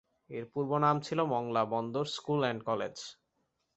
এর পূর্ব নাম ছিল মংলা বন্দর স্কুল অ্যান্ড কলেজ।